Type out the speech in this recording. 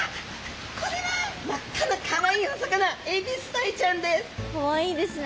これは真っ赤なかわいいお魚エビスダイちゃんです。